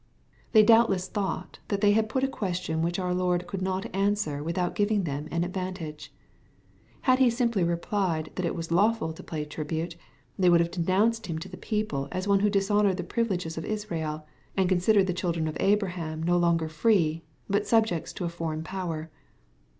They doubtless thought, that they had put a ques tion which our Lord could not answer without giving them an advantage. — ^Had He simply replied that it was latofvl to pay tribute, they would have denounced Him to the people as one who dishonorekl the privileges of Israel, and considered the children of Abraham no longer free, but subjects to a foreign power.